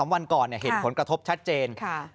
วันก่อนเห็นผลกระทบชัดเจน